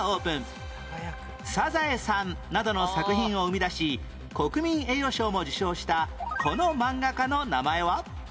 『サザエさん』などの作品を生み出し国民栄誉賞も受賞したこのマンガ家の名前は？